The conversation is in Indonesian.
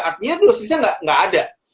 artinya dosisnya nggak ada